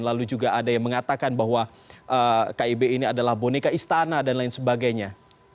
lalu juga ada yang mengatakan bahwa kib ini adalah boneka istana dan lain sebagainya